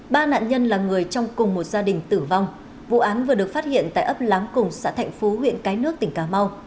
ba nạn nhân là người trong cùng một gia đình tử vong vụ án vừa được phát hiện tại ấp lám cùng xã thạnh phú huyện cái nước tỉnh cà mau